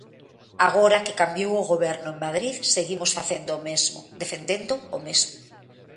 Agora que cambiou o Goberno en Madrid seguimos facendo o mesmo, defendendo o mesmo.